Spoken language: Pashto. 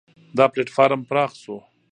دا پلېټفارم پراخ شو.